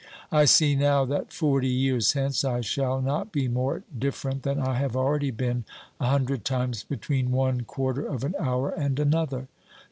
I see now that forty years hence I shall not be more different than I have already been a hundred times between one quarter of an hour and another.